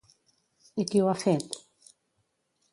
I qui ho ha fet?